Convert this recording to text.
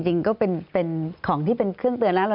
จริงก็เป็นของที่เป็นเครื่องเตือนแล้ว